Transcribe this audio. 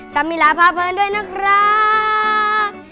ตี่สมีลาภาพื้นด้วยนะครับ